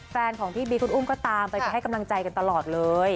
แฟนของพี่บีคุณอุ้มก็ตามไปไปให้กำลังใจกันตลอดเลย